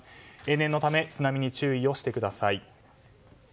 念のため津波に注意をしてください。